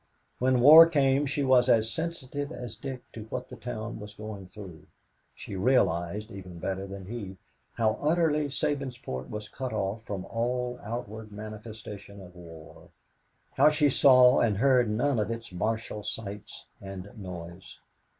When war came she was as sensitive as Dick to what the town was going through. She realized, even better than he, how utterly Sabinsport was cut off from all outward manifestation of war, how she saw and heard none of its martial sights and noise.